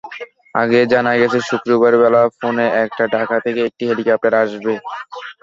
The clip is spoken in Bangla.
আগেই জানা গেছে, শুক্রবার বেলা পৌনে একটায় ঢাকা থেকে একটি হেলিকপ্টার আসবে।